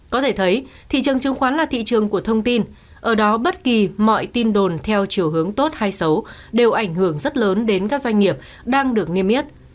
có thể thấy thị trường chứng khoán là thị trường của thông tin ở đó bất kỳ mọi tin đồn theo chiều hướng tốt hay xấu đều ảnh hưởng rất lớn đến các doanh nghiệp đang được nghiêm yết